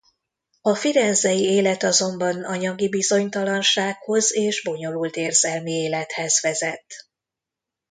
A firenzei élet azonban anyagi bizonytalansághoz és bonyolult érzelmi élethez vezet.